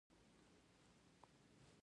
په دغه هېواد کې ښځو ته سپارښتنه کړې